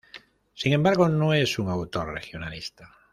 Sin embargo no es un autor regionalista.